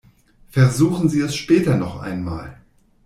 Versuchen Sie es später noch einmal!